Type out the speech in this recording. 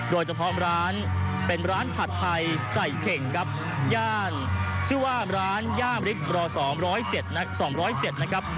โดยเฉพาะร้านเป็นร้านผัดไทยใส่เข่งครับย่านชื่อว่าร้านย่ามริกร๒๐๗๒๐๗นะครับ